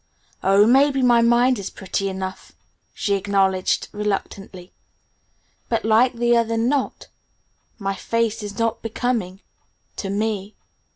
"Oh, maybe my mind is pretty enough," she acknowledged reluctantly. "But likelier than not, my face is not becoming to me."